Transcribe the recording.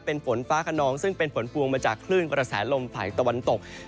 เป็นฝนฟ้าขนองซึ่งเป็นฝนพวงมาจากคลื่นกระแสลมฝ่ายตะวันตก